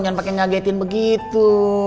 jangan pake ngagetin begitu